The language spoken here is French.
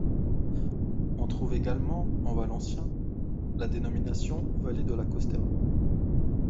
On trouve également en valencien la dénomination Vallés de la Costera.